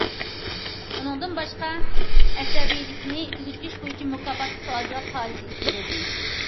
ئۇنىڭدىن باشقا، ئەسەبىيلىكنى تۈگىتىش بويىچە مۇكاپاتلىق سوئال- جاۋاب پائالىيىتى ئېلىپ بېرىلدى.